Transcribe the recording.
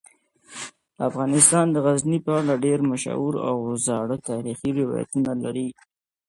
افغانستان د غزني په اړه ډیر مشهور او زاړه تاریخی روایتونه لري.